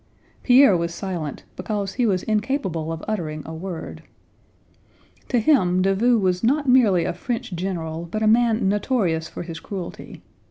Pierre was silent because he was incapable of uttering a word. To him Davout was not merely a French general, but a man notorious for his cruelty.